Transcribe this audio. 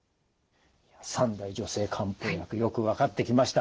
三大女性漢方薬よく分かってきました。